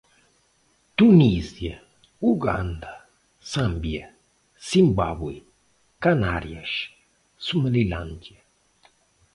Tunísia, Uganda, Zâmbia, Zimbábue, Canárias, Somalilândia